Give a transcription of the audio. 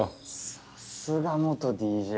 さすが元ＤＪ。